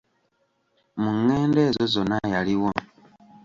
Mu ngendo ezo zonna yaliwo.